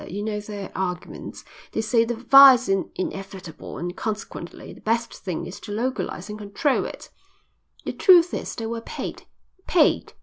You know their argument. They say that vice is inevitable and consequently the best thing is to localise and control it. The truth is, they were paid. Paid.